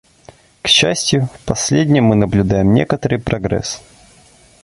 К счастью, в последнем мы наблюдаем некоторый прогресс.